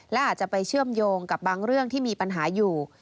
และอาจจะไปเชื่อมโยงกับบางเรื่องที่มีปัญหาอยู่